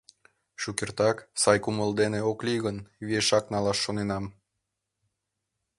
Шукертак, сай кумыл дене ок лий гын, виешак налаш шоненам.